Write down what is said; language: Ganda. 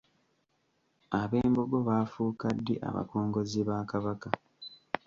Abembogo baafuuka ddi abakongozzi ba Kabaka?